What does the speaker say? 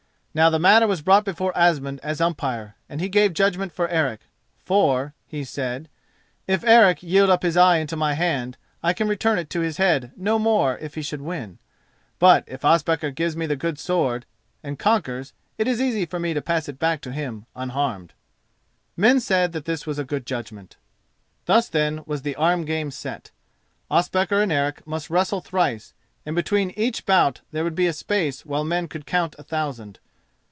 Now the matter was brought before Asmund as umpire, and he gave judgment for Eric, "for," he said, "if Eric yield up his eye into my hand, I can return it to his head no more if he should win; but if Ospakar gives me the good sword and conquers, it is easy for me to pass it back to him unharmed." Men said that this was a good judgment. Thus then was the arm game set. Ospakar and Eric must wrestle thrice, and between each bout there would be a space while men could count a thousand.